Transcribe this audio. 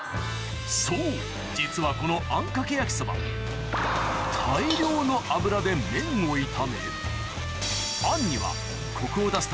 そう実はこのあんかけ焼きそばで麺を炒めあんにはコクを出すために